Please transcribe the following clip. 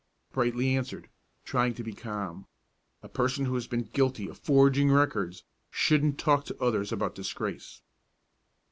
Brightly answered, trying to be calm, "A person who has been guilty of forging records shouldn't talk to others about disgrace."